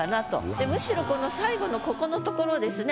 でむしろこの最後のここのところですね。